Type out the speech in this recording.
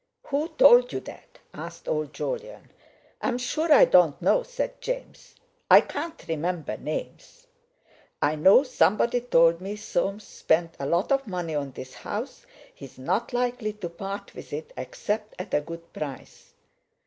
"Who told you that?" asked old Jolyon. "I'm sure I don't know," said James; "I can't remember names—I know somebody told me Soames spent a lot of money on this house; he's not likely to part with it except at a good price."